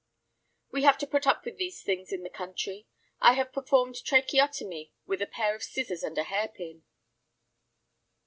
"We have to put up with these things in the country. I have performed tracheotomy with a pair of scissors and a hair pin."